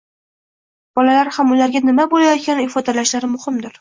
bolalar ham ularga nima bo‘layotgani ifodalashlari muhimdir.